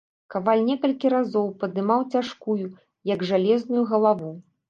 Каваль некалькі разоў падымаў цяжкую, як жалезную, галаву.